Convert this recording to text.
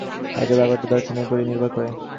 হয়তো ব্যাপারটা দর্শনের ওপরই নির্ভর করে।